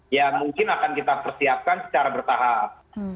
ya mungkin akan kita persiapkan secara bertahap